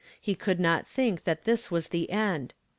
He could not think that this was the end.